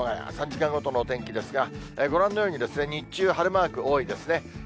３時間ごとのお天気ですが、ご覧のように、日中、晴れマーク多いですね。